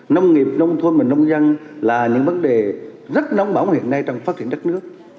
nông nghiệp nông thôn và nông dân là những vấn đề rất nóng bóng hiện nay trong phát triển đất nước